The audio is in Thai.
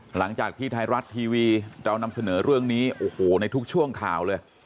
หลังจากที่ไทยรัฐทีวีเรานำเสนอเรื่องนี้โอ้โหในทุกช่วงข่าวเลย